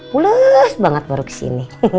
pules banget baru kesini